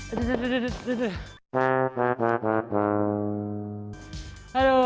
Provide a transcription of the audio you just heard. aduh aduh aduh aduh